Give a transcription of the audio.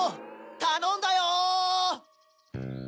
たのんだよ！